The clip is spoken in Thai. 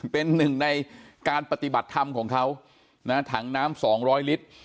เป็นหนึ่งในการปฏิบัติธรรมของเขานะถังน้ำ๒๐๐ลิตร